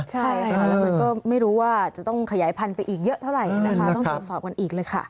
ใช่ค่ะแล้วมันก็ไม่รู้ว่าจะต้องขยายพันธุ์ไปอีกเยอะเท่าไหร่นะคะต้องตรวจสอบกันอีกเลยค่ะ